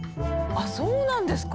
そうなんですか！